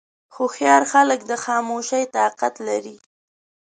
هوښیار خلک د خاموشۍ طاقت لري.